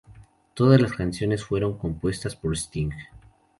Todas las canciones fueron compuestas por Sting.